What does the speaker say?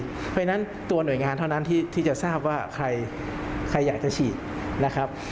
เพราะฉะนั้นตัวหน่วยงานเท่านั้นที่จะทราบว่าใครอยากจะฉีดนะครับ